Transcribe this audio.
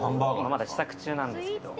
まだ試作中なんですけど。